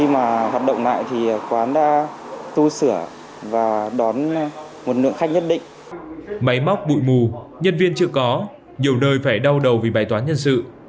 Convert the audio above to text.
máy móc bụi mù nhân viên chưa có nhiều nơi phải đau đầu vì bài toán nhân sự